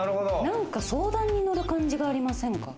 何か相談に乗る感じがありませんか？